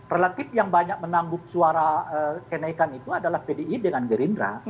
relatif yang banyak menambuk suara kenaikan itu adalah pdi dengan gerindra